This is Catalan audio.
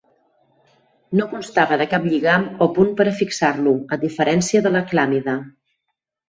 No constava de cap lligam o punt per a fixar-lo, a diferència de la clàmide.